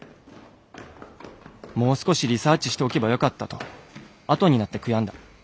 もう少しリサーチしておけばよかったとあとになって悔んだ。